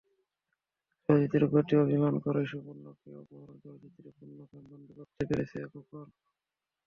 চলচ্চিত্রের প্রতি অভিমান করা সুবর্ণাকেও অপহরণ চলচ্চিত্রে পুনঃ ফ্রেমবন্দী করতে পেরেছে খোকন।